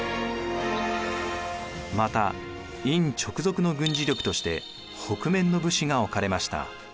また院直属の軍事力として北面の武士が置かれました。